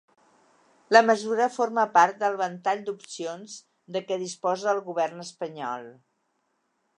La mesura forma part del ‘ventall d’opcions’ de què disposa el govern espanyol.